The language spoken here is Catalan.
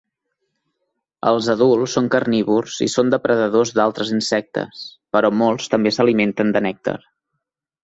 Els adults són carnívors i són depredadors d'altres insectes, però molts també s'alimenten de nèctar.